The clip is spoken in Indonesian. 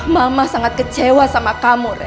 mama sangat kecewa sama kamu